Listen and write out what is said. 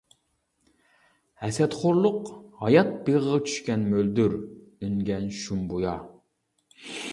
ھەسەتخورلۇق ھايات بېغىغا، چۈشكەن مۆلدۈر، ئۈنگەن شۇمبۇيا.